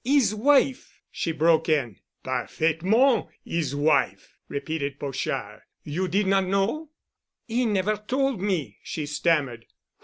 "His wife!" she broke in. "Parfaitement, his wife," repeated Pochard. "You did not know?" "He never told me," she stammered.